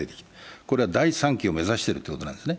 これは第３期を目指しているということですよね。